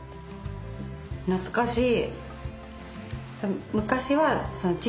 懐かしい！